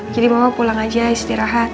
jadi mama pulang aja istirahat